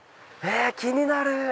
え気になる！